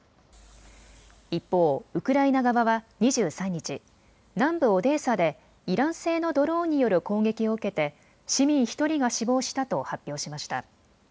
一方、ウクライナ側は２３日、南部オデーサでイラン製のドローンによる攻撃を受けて市民１人が死亡したと発表しました。